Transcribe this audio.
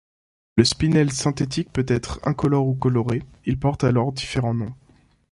Le spinelle synthétique peut être incolore ou coloré, il porte alors différents noms.